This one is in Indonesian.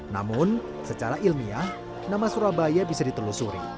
namun secara ilmiah nama surabaya bisa ditelusuri